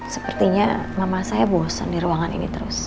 sepertinya nama saya bosan di ruangan ini terus